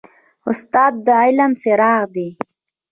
استاد د علم څراغ دی.